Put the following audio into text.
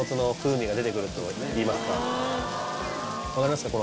分かりますか？